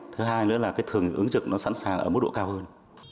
thứ hai nữa là thường trực sẵn sàng ở mức độ cao hơn